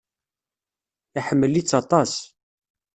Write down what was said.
Iḥemmel-itt aṭas.